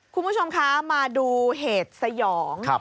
คุณผู้ชมคะมาดูเหตุสยอง